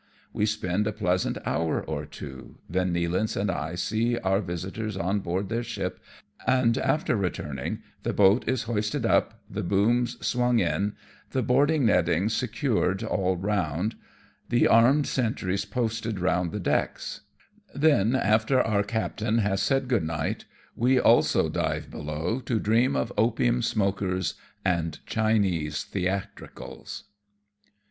We spend a pleasant hour or two, then Nealance and I see our visitors on board their ship, and after returning the boat is hoisted up, the booms swung in, the boarding nettings secured all around, the armed sentries posted round the decks ; then, after our captain has said good night, we also dive below, to dream of opium smokers and Chinese theatricals.